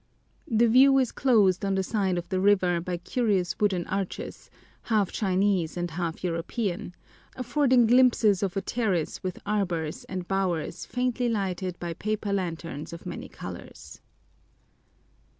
The view is closed on the side of the river by curious wooden arches, half Chinese and half European, affording glimpses of a terrace with arbors and bowers faintly lighted by paper lanterns of many colors.